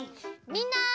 みんな！